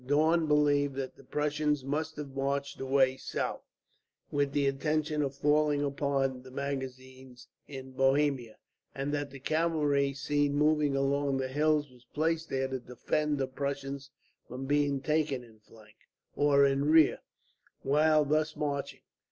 Daun believed that the Prussians must have marched away south, with the intention of falling upon the magazines in Bohemia, and that the cavalry seen moving along the hills were placed there to defend the Prussians from being taken in flank, or in rear, while thus marching.